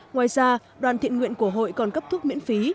ngoài ra đoàn thiện nguyện của hội còn cấp thuốc miễn phí